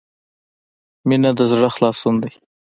• مینه د زړۀ خلاصون دی.